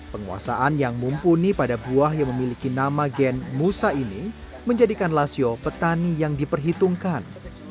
penguasaan yang mumpuni pada buah yang memiliki nama gen musa ini menjadikan lasio petani yang diperhitungkan